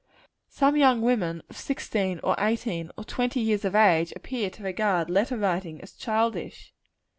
Some young women, of sixteen, or eighteen, or twenty years of age, appear to regard letter writing as childish.